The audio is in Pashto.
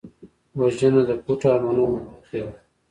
وژنه د پټو ارمانونو ماتې ده